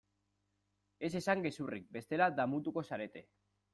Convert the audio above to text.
Ez esan gezurrik bestela damutuko zarete.